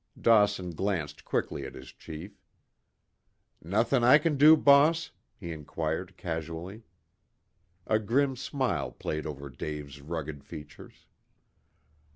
Dawson glanced quickly at his chief. "Nothin' I ken do, boss?" he inquired casually. A grim smile played over Dave's rugged features.